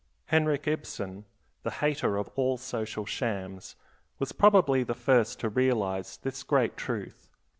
Henrik Ibsen, the hater of all social shams, was probably the first to realize this great truth.